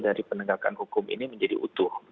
dari penegakan hukum ini menjadi utuh